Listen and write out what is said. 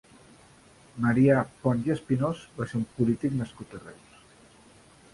Marià Pons i Espinós va ser un polític nascut a Reus.